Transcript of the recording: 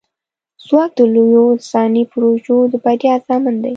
ځواک د لویو انساني پروژو د بریا ضامن دی.